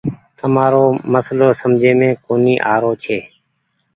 تمآرو مسلو سمجهي مين ڪونيٚ آروڇي۔